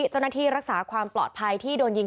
เจ้าหน้าที่รักษาความปลอดภัยที่โดนยิง